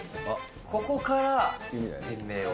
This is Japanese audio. ここから店名を。